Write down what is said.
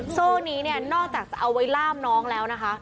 โซ่นี้เนี่ยนอกจากจะเอาไว้ล่ามน้องแล้วนะคะ